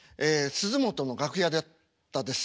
鈴本の楽屋だったです。